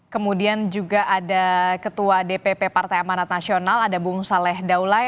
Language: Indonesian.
kemudian juga ada ketua dpp partai amanat nasional ada bung saleh daulai